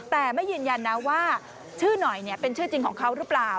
แต่ไม่ยืนยันนะว่าชื่อหน่อยเป็นชื่อจริงของเขาหรือเปล่า